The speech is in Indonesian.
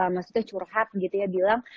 maksudnya curhat gitu ya bilang